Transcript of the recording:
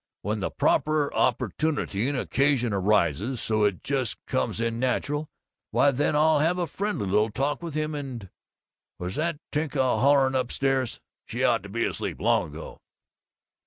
When the proper opportunity and occasion arises so it just comes in natural, why then I'll have a friendly little talk with him and and Was that Tinka hollering up stairs? She ought to been asleep, long ago."